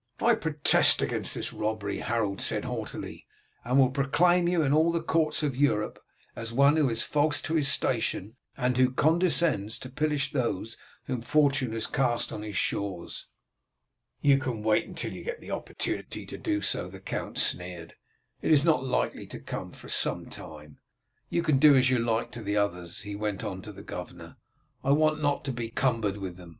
"I protest against this robbery," Harold said haughtily, "and will proclaim you in all the courts of Europe as one who is false to his station, and who condescends to pillage those whom fortune has cast on his shores." "You can wait until you get an opportunity to do so," the count sneered; "it is not likely to come for some time. You can do as you like to the others," he went on to the governor, "I want not to be cumbered with them.